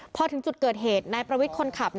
พอถึงจุดเกิดเหตุนายประวิทย์คนขับ